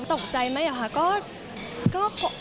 ตกใจไหมนะคะ